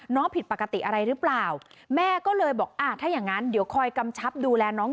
ผิดปกติอะไรหรือเปล่าแม่ก็เลยบอกอ่าถ้าอย่างงั้นเดี๋ยวคอยกำชับดูแลน้อง